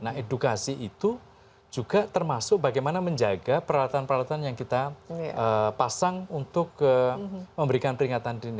nah edukasi itu juga termasuk bagaimana menjaga peralatan peralatan yang kita pasang untuk memberikan peringatan dini